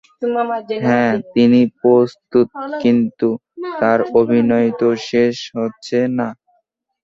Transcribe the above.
হ্যাঁ তিনি প্রস্তুত, কিন্তু তার অভিনয় তো শেষ হচ্ছে না।